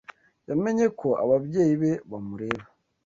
Yamenye ko ababyeyi be bamureba.